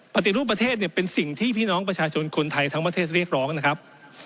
ปฏิรูปประเทศเนี่ยเป็นสิ่งที่พี่น้องประชาชนคนไทยทั้งประเทศเรียกร้องนะครับ